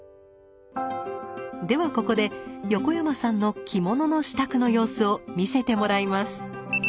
ではここで横山さんの着物の支度の様子を見せてもらいます。